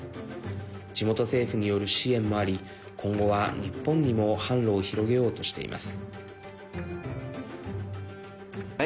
地元政府による支援もあり今後は日本にも販路を広げようとしています。